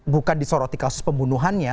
bukan disoroti kasus pembunuhannya